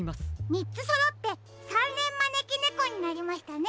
みっつそろってさんれんまねきねこになりましたね。